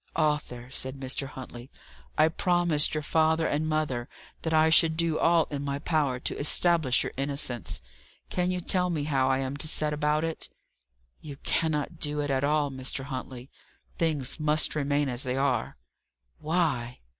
"Arthur," said Mr. Huntley, "I promised your father and mother that I should do all in my power to establish your innocence. Can you tell me how I am to set about it?" "You cannot do it at all, Mr. Huntley. Things must remain as they are." "Why?"